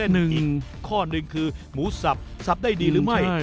หนึ่งข้อหนึ่งคือหมูสับสับได้ดีหรือไม่